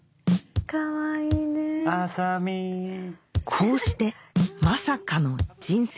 こうしてまさかの人生